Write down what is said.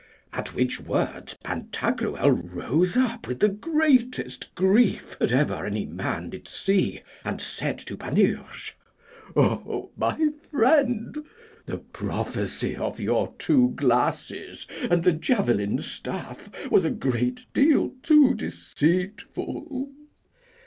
At which words Pantagruel rose up with the greatest grief that ever any man did see, and said to Panurge, Ha, my friend! the prophecy of your two glasses and the javelin staff was a great deal too deceitful.